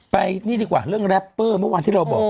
ไปนี่ดีกว่าเรื่องแรปเปอร์เมื่อวานที่เราบอก